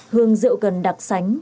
hương rượu cần đặc sánh